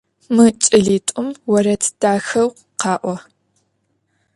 Мы кӏэлитӏум орэд дахэу къаӏо.